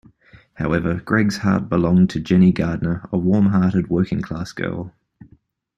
However, Greg's heart belonged to Jenny Gardner, a warm-hearted working-class girl.